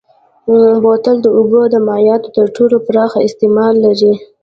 بوتل د اوبو او مایعاتو تر ټولو پراخ استعمال لري.